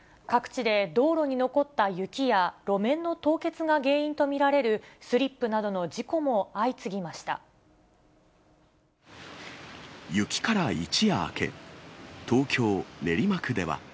各地で道路に残った雪や、路面の凍結が原因と見られる、スリップなどの事故も相次ぎまし雪から一夜明け、東京・練馬区では。